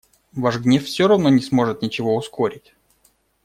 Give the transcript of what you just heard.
Ваш гнев всё равно не сможет ничего ускорить.